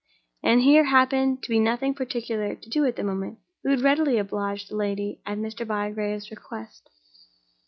As there happened to be nothing particular to do at that moment, he would readily oblige the lady at Mr. Bygrave's request.